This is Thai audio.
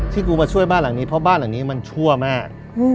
กูมาช่วยบ้านหลังนี้เพราะบ้านหลังนี้มันชั่วมาก